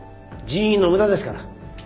人員の無駄ですから。